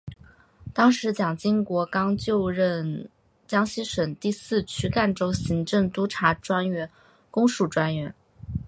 当时蒋经国刚就任江西省第四区赣州行政督察专员公署专员。